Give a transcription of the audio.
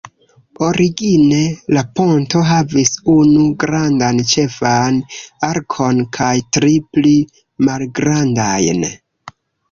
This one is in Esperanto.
Origine la ponto havis unu grandan ĉefan arkon kaj tri pli malgrandajn.